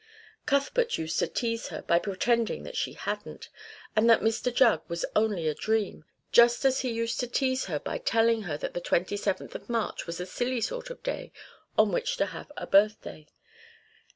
Cuthbert used to tease her by pretending that she hadn't, and that Mr Jugg was only a dream, just as he used to tease her by telling her that the 27th of March was a silly sort of day on which to have a birthday.